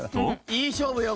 いい勝負よ